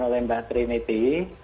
oleh mbak trinity